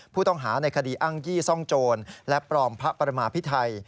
ผู้ต้องหาในคดีอ้างยี่ซ่องโจรและปลอมพระประมาพิไทย